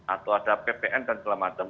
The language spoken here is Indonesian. atau ada ppn dan sebagainya